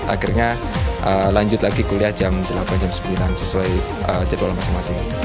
akhirnya lanjut lagi kuliah jam delapan jam sembilan sesuai jadwal masing masing